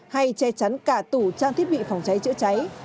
hay che chắn cả tủ trang thiết bị phòng cháy chữa cháy